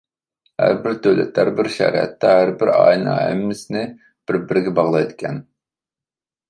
ھەربىر دۆلەت، ھەربىر شەھەر، ھەتتا ھەربىر ئائىلىنىڭ ھەممىسىنى بىر-بىرىگە باغلايدىكەن.